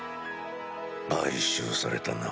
買収されたな。